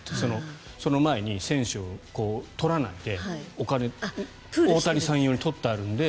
その前に選手を取らないで大谷さん用に取ってあるので。